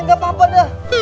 nggak apa apa dah